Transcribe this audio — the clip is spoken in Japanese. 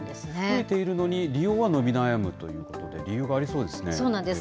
増えているのに、利用は伸び悩むということで、理由がありそそうなんです。